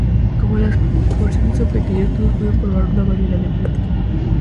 Como las porciones son pequeñas, todos pueden probar una gran variedad de platos.